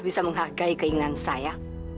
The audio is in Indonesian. bisa menghargai keinginan saya